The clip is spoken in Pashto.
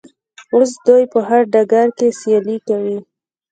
اوس دوی په هر ډګر کې سیالي کوي.